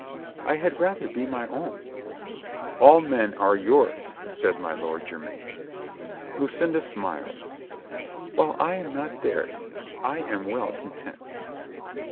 "I had rather be my own." "All men are yours," said my Lord Jermyn. Lucinda smiled. "While I am not theirs, I am well content."